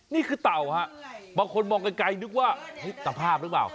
นี่คือเต่าบางคนมองไกลนึกว่าต่อภาพหรือเปล่า